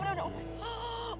udah udah udah